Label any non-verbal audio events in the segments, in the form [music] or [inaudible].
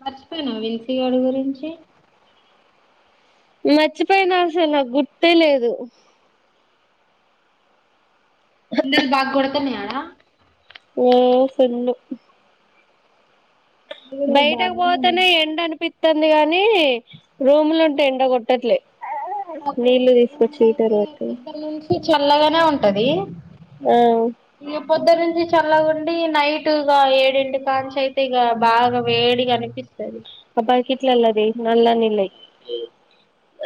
మర్చిపోయినా విన్సీ గాడి గురించి మర్చిపోయిన అసలు గుర్తే లేదు ఎండలు బాగ కొడ వస్తన్నాయా ఆడ ఏ ఫ్రెండు ఎండలు బయటకు బాగానే ఉన్నాయి పోతేనే ఎండ అనిపితది ఉందిగాని రూమ్లో ఉంటే ఎండ కొట్టట్లే నాకు నీళ్లు ఇజల తీసుకొచ్చి హీటర్ అయితే పెట్టు ఇద్దరి నుంచి చల్లగానే ఉంటది ఆ ఇక పొద్దు నుంచి చల్లగుండి నైట్ ఇగ ఏడింటి కాంచి అయితే ఇగ బాగా వేడిగా అనిపిస్తది ఆ బకెట్లు అల్లది నల్ల నీళ్ళయి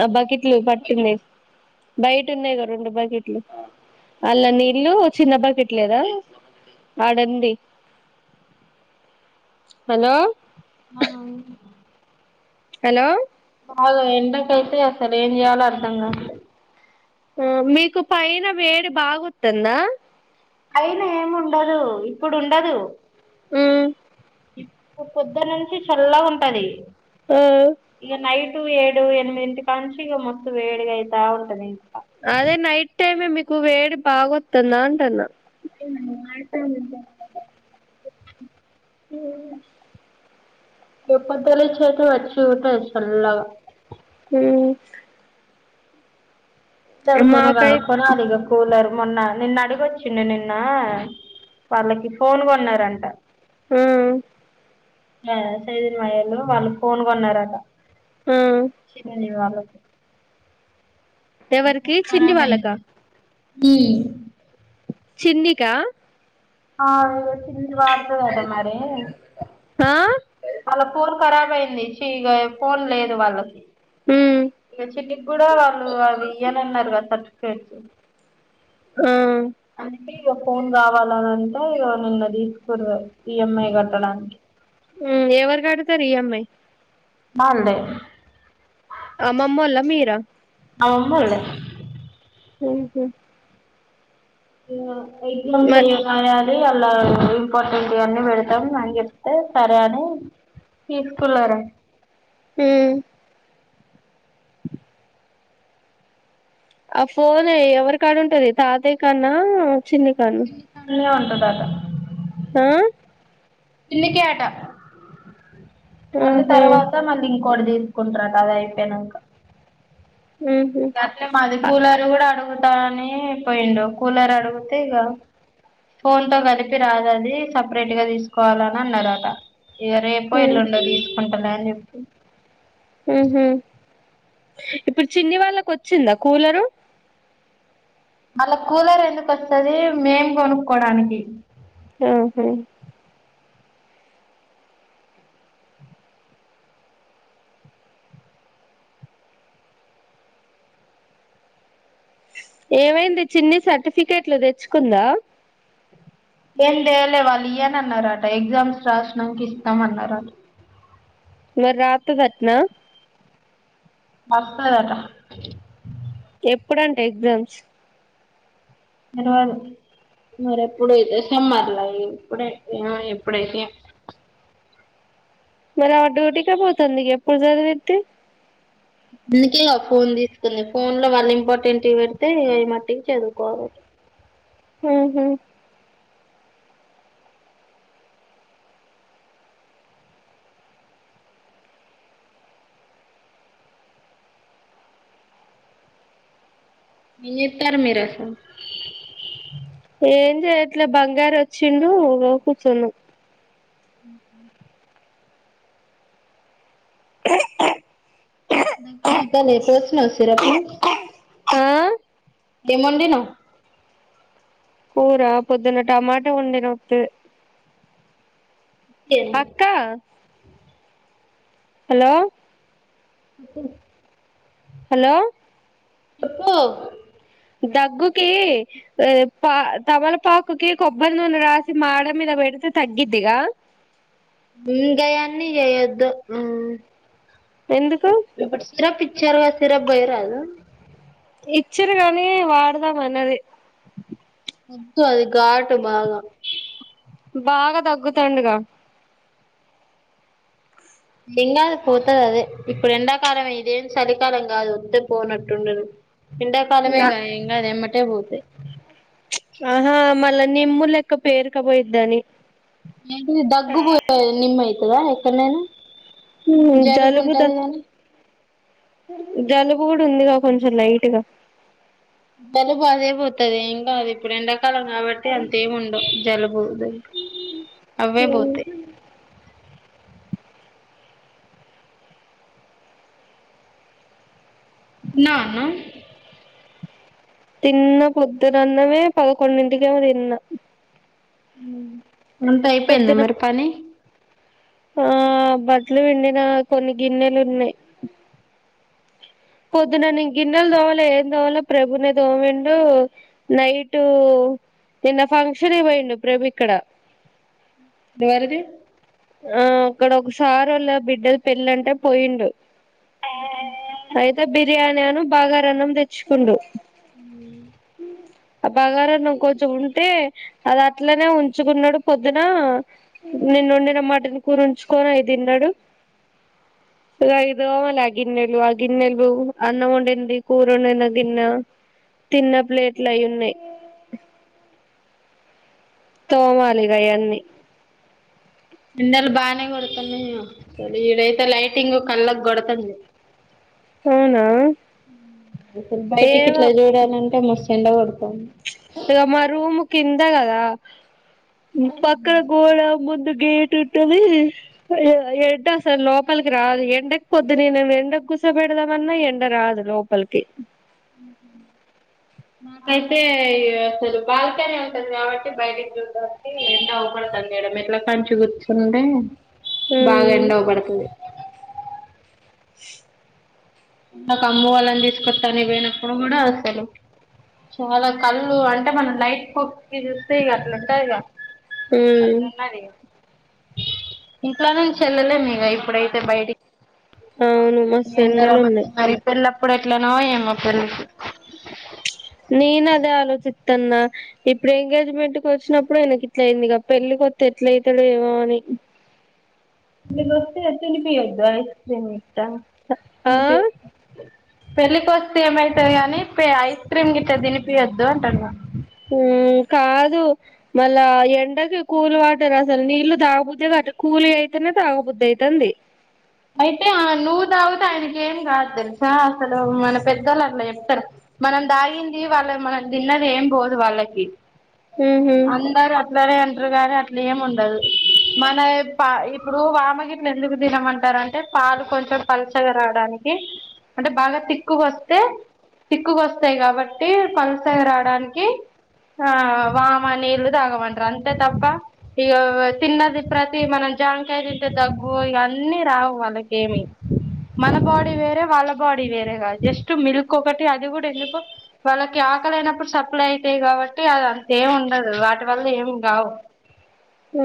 ఆ బకెట్లు పట్టింది బయట ఉన్నాయిగా రెండు బకెట్లు అళ్ళ నీళ్ళ చిన్న బకెట్లేదా ఆడుంది హలో ఆ హలో కాదు ఎండకైతే అసలు ఏంజేయాలో అర్థంగవట్లే ఆ మీకు పైన వేడి బాగోతుందా అయిన ఏమి ఉండదు ఇప్పుడు ఉండదు ఉ పొద్దనుంచి చల్లగుంటది మ్ ఏడు ఎనిమిదింటి కా నుంచి ఇగ మస్తు వేడిగా అయితా ఉంటది అదే నైట్ టైమ్ మీ క్కువ వేడి బాగొస్తుంద అంటన్న [unintelligible] రప్పద్దల చేతే అచ్చి ఉత సల్లగా హూ ఇద్దరు కొనరా మాకై కొనాలిగ కూలర్ మొన్న నిన్న అడిగొచ్చిండు నిన్న వాళ్ళకి ఫోన్ కొన్నరంట హు సైజన్ మాయోళ్ళు వాళ్ళు ఫోన్ కొన్నారంట ఆ చిన్న ని ఎవరికి చిన్ని వాళ్ళక ఉ చిన్నికా ఆ వాడుతదట మరి ఆ నిషిగ ఫోన్ లేదు వాళ్లకు ఉమ్ ఇగ చిట్టికి కూడా వాళ్ళు అవి ఇయ్యనన్నారు గద సర్టిఫికేట్స్ ఆ అంటే ఇగ ఫోన్ గావాలి కావాలంట ఇక నిన్న ఈఎంఐ కట్టడానికి ఎవరు కాడుతారు ఈఎంఐ మాల్దే అమ్మమ్మ ఓల్ల మీరా అమ్మమ్మలోలుఌ హుహు ఆ ప్రయత్నం మరి చేయకా అలా ఇంపార్టెంట్వన్నీ పెడతాం అని చెప్తే సరే అని తీసుకులరాంట హు ఆ ఫోన్ ఎవరి కాడ ఉంటది తాతయు కన్నా చిన్న కన్ను దాద ఆ చిన్నికి అట మళ్ళీ ఉహు తర్వాత మళ్ళీ కోడి తీసుకుంట్రట అది అయిపోయినాక ఉహు మాది అ కూలారు కూడా ఆడు అగుతయని అయి పోయిండు కూలర్ అడిగితే ఇగ ఫోన్ తో కలిపి రాదు అది సపరేట్ గా తీసుకోవాలని అన్నారు అట ఇగ రేపో ఉమ్ ఎల్లుండో తీసుకుంటలే అన్ చెప్పి ఊహు ఇప్పుడు చిన్ని వాళ్ళకు వచ్చిందా కూలరు మళ్ళ కూలర్ ఎందుకొస్తది మేం కొనుక్కోడానికి ఆ హ ఏమైంది చిన్ని సర్టిఫికెట్లు తెచ్చుకుందా ఏం చేేయలే వాళ్ళు ఇయ్వన అన్నారట ఎగ్జామ్స్ రాసడానికి ఇస్తాం అన్నట మర్ రాత్తదట్నా బస్తదటా ఎప్పుడంట ఎగ్జామ్స్ మరెప్పుడైతే సమ్మర్లా ఇప్పుడే ఆ ఎప్పుడైతే ఎం మరి అడ్డుగుటిక పోతుంది ఎప్పుడు చదివిది అందుకే గా ఫోన్ తీసుకుంది ఫోన్ లో వాళ్ళింపోర్టంట్ వి పెడ్తే అయ్ మటికి చదువుకోవాలి. హు హు న తర్ మీరుసం ఏం చెయట్లే బంగారు వచ్చిండు కూర్చున్నాం దగ్గు దగ్గాలే పోస్నావా సిరుపు ఆ ఏమొండినావ్ పూరా పొద్దున్న టమాట ఉండ నొతు చికెన్ అక్క హలో అప్పు హలో చెప్పు దగ్గుకి ఆ పా తమలపాకుకి కొబ్బరి నూనె రాసి మాడ మీద పెడితే తగ్గిద్దిగా ఇంగయన్ని చేయొద్దు మ్మ్ ఎందుకు సరా ప చరో సిరప్ బొయ్యరాదు ఇచ్చారు కానీ వాడదాం అన్నది వొద్దు అది గాటు బాగా బాగా దగ్గుతాండుగా ఎంగాదు పోతాదదే ఇప్పుడు ఎండాకాలమే ఇదేం చలికాలం కాదు ఒత్తే పోనట్టుండును ఎండాకాలమే గా ఎంగాదు ఎమ్మటే పోతయ్ ఆహా మళ్ళా నిమ్ము లెక్క పేరుకపోయిద్దని ఏకంగా దగ్గు బు నిమ్మై దా ఎక్కడైనా హ్మ్మ్ జలుబు దగ్ జలుబు కూడుందిగా కొంచెం లైట్గా జలుబు అదే పోతదే ఏం కాదు ఇప్పుడెండ కాలం కాబట్టి అంతేము ఉండవు జలుబు జలుబ అవే పోతాయి తిన్నావా అన్నం తిన్న పొద్దునన్నమే పదకొండింటికేమో తిన్న మ్మ్ అంత అయిపోయిందా పొద్దున మరి పని ఆ బడ్లు విండిన కొన్ని గిన్నెలు ఉన్నాయి పొద్దునన్న ఇం గన్నెలు తోవాలో ఏం తోవాలో ప్రభునే దోమిండు నైట్ నిన్న ఫంక్షన్ ఇయిపోయిండు ప్రభు ఇక్కడ ఇదివేరది ఆ అక్కడ ఒకసారి వాళ్ళ బిడ్డలు పెళ్ళ అంటే పోయిండు ఊహు అయితే బిర్యానీ అను బాగా రన్నం తెచ్చుకుండు ఉ ఆ బాగారు నువ్వు కొంచెం ఉంటే అది అట్లనే ఉంచుకున్నాడు పొద్దున నిన్నండి మటన్ కూరంచుకొని అఐ తిన్నాడు ఇ ఐదో మళ ఆగిన్నెలు ఆగిన్నెలు అన్నం వంంది కూరండన గిన్నె తిన్న ప్లేట్లు అయి ఉన్నాయి తోమాలిగాయవన్నీ ఇందల్ బానే కొడతను స ఈ అయతే లైటింగ్ కల్క్ గడతంది అవునా ఏవ చెెండవాడు ఇక మ రూమ్ కిందగా ద పక్కడ గోడ ముందు గేట్ ఉంటది ఎడ ఎండ అసలు లోపలికి రాదు ఎండకి పోద్దు నేను ఎండ గుస పెడదామన్నా ఎండ రాదు లోపలికి నాకైతే అసలు బాల్కనీ ఉంటది కాబట్టి బయటికి చూడడానికి ఎంత అవపడుతుంది మేడం ఎట్లా కంచి కూర్చుండే బాగా ఉమ్ ఉండవుపడతుదు నాకు అమ్ము వాళ్ళని తీసుకొస్తాని పోయినప్పుడు కూడా అసలు చాలా కళ్ళు అంటే మనం లైట్ ఇది చూస్తే ఇగ అట్లా ఉంటది ఇగ ఉమ్ అంటున్నది ఇంట్లో నుంచి వెల్లలే మీక ఇప్పుడైతే బయటికి అవును మస్తు అంద ఎండలు ఉన్నాయి మరి పలా ఇప్పుడు ఎట్లనో ఏమో తెలీదు అన్న ఇప్పుడు ఎంగేజ్మెంట్కి వచ్చినప్పుడు ఆయనకి ఇట్ల అయింది ఇక పెళ్ళి కొత్త ఎట్ల అవుతాడు ఏమో అని ఇ వస్తే తినిపి అద్దు ఐస్ క్రీమ్ని ఆ ఇనాడియబుల్ ఎక్కడ ఏ క్యాప్షన్ లేదు పెళ్ళకోస్తే ఏమైతది గాని ఐస్ క్రీమ్ గిట్ట తినిపియద్దు అంటున్నారు ఉ కాదు మళ్ళా ఎండకు కూలి వాటరు అసలు నీళ్లు తాగబుద్ధి కా కూలి అయితేనే తాగబుద్ధి అయితుంది మయితే నూ వుత అ క ఏం కాదు తెలుసా అసలు మన పెద్దళ్ళ అట్లా చెప్తారు మనం దాగింది వాళ్ళ మనం తిన్నది ఏం పోదు వాళ్ళకి ఉహు, అందరూ అట్లనే ఆంట్ కురకైలు అట్లా ఏం ఉండదు మన ఇప ఇప్పుడు వామగిరిని ఎందుకు తినమ ంట అంటే పాలు కొంచెం పలసగా రావడానికి అంటే బాగా తిక్కుగా వస్తే తిక్కుగా వస్తాయి కాబట్టి పలసగా రావడానికి ఆ వామ నీళ్లు తాగమంటారు అంతే తప్ప ఇక తిన్నది ప్రతి మనం జాంకాయ తింటే దగ్గు ఇన్న చావు వాళ్ళక ఏమి మన బాడీ వేరే వాళ్ళ బాడీ వేరే కాదు జస్ట్ మిల్క్ ఒకటి అది కూడా ఎందుకో వాళ్ళకి ఆకలిైనప్పుడు సప్లై అయితాయి కాబట్టి అది అంతేమి ఉండదు వాటి వల్ల ఏమి కావు ఊ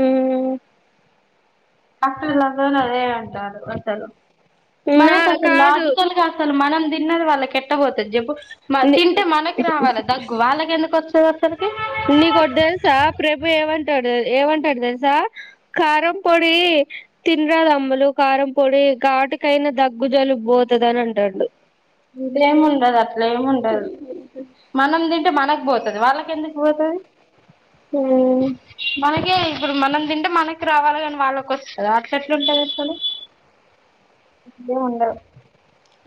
డాక్టర్లా అదే [unintelligible] అసలు నా మనకి అసలు కాదు లాజికల్ గా అసలు మనం తిన్నది వాళ్ళకి ఎట్టా పోతాది చెప్పు నీ మాతింటే మనకి రావాలా దగ్గు వాళ్ళకి ఎందుకొచ్చావ్ అస్సలకి నీకొటి తెలుసా ప్రభు ఏమంటాడు ఏమంటాడు తెలుసా కారం పొడి తినరాదు అమ్మలు కారం పొడి ఘాటుకైనా దగ్గు జలుబు పోతది అని అంటాండు ఇలేము ఉండదు అట్లేము ఉండదు మనం తింటే మనకు పోతాది వాళ్ళకి ఎందుకు పోతాది ఉమ్ మనకే ఇప్పుడు మనం తింటే మనకి రావాల కాని వాళ్ళక వస్తు అట్లా ఎట్లాంటంది చ ఉండదు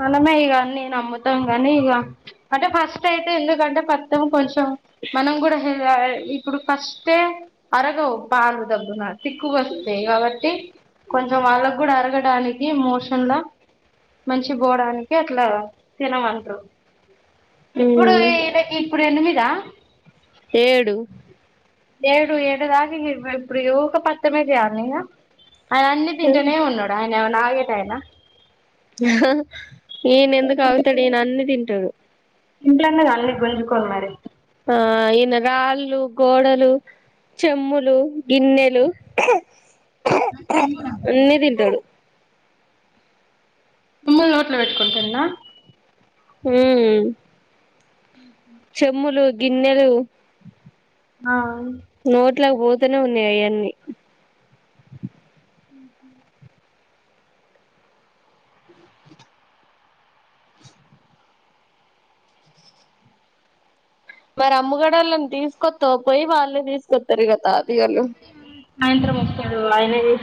మనమే ఇగ నేను అమ్ముతాం, కానీ ఇక అంటే ఫస్ట్ అయితే ఎందుకంటే ఫత్తం కొంచెం మనం కూడా ఇప్పుడు ఫస్టే అరగవు పాలు దబ్బన తిక్కుకు వస్తాయి కాబట్టి, కొంచెం వాళ్ళకి కూడా అరగడానికి మోషన్ లో మంచి పోవడానికి అట్లా తినమంటరు ఇప్పుడు వీడకి ఇప్పుడు ఎనిమిది చ ఏడు ఏడు ఏడుదగ ఇప్పుడు ఊక పత్తేమే చేయాల్న ఇక ఆయన అన్ని తింటూనే ఉన్నాడు ఆయన నాగే టాయనా ఏయన ఎందుకు ఆగుతాడు ఈయన అన్ని తింటాడు [unintelligible] అన్ని గుంజుకోళ మరి ఆ ఈయన గాళ్ళు కోడలు చెమ్ములు గిన్నెలు అన్నీ తింటాడు ఉమ్మ నోట్లో పెట్టుకుంటున్నా హ్మ్ చమ్ములు గిన్నెలు ఆ ఇంట్లో పోతూనే ఉన్నాయి అవన్నీ అ మరి అమ్ముగడలని తీసుకొస్త పోయి వాళ్ళు తీసుకొస్తారు కదా సాయంత్రం వస్తాడు మా అన్నేది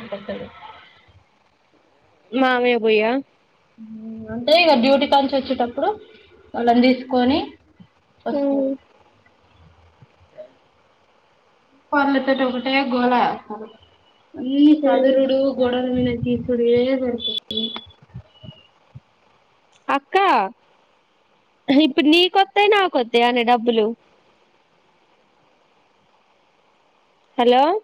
మామయ్య బయ్యా అంటే ఇక డ్యూటీ కానుంచి వచ్చేటప్పుడు వాళ్ళని తీసుకొని వస్తారు వాళ్లతోటి ఒకటే గోలా అన్ని చదరుడు గోడ మీన్కి చూడు ఏ ఏ [unintelligible] అక్క, ఇప్పుడు నీ కొత్తయ్ నాకొత్తాయానే డబ్బులు హలో